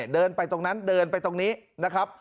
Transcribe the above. เดินไปตรงนั้นเดินไปตรงนี้นะครับ